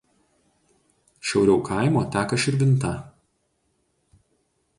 Šiauriau kaimo teka Širvinta.